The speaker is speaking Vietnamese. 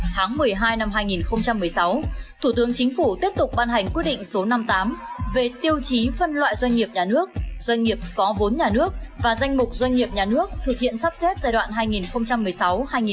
tháng một mươi hai năm hai nghìn một mươi sáu thủ tướng chính phủ tiếp tục ban hành quyết định số năm mươi tám về tiêu chí phân loại doanh nghiệp nhà nước doanh nghiệp có vốn nhà nước và danh mục doanh nghiệp nhà nước thực hiện sắp xếp giai đoạn hai nghìn một mươi sáu hai nghìn hai mươi